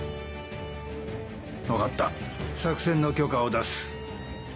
分かった作戦の許可を出す。